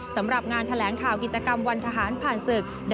สำหรับงานแถลงข่าวกิจกรรมวันทหารผ่านศึก